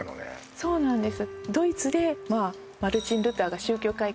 そうなんです